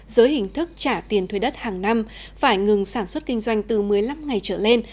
dưới hình thức trả tiền thuê đất hàng năm phải ngừng sản xuất kinh doanh từ một mươi năm ngày trở lên